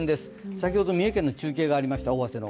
先ほど三重県の中継がありました、尾鷲の。